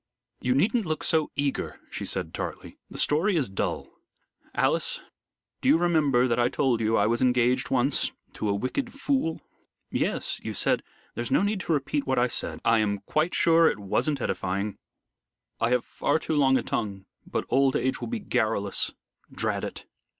"You needn't look so eager," she said tartly; "the story is dull. Alice, do you remember that I told you I was engaged once to a wicked fool?" "Yes you said " "There's no need to repeat what I said. I am quite sure it isn't edifying. I have far too long a tongue, but old age will be garrulous drat it!